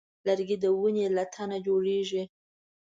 لرګی د ونې له تنه جوړېږي.